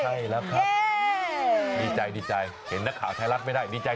ใช่แล้วครับดีใจดีใจเห็นนักข่าวไทยรัฐไม่ได้ดีใจ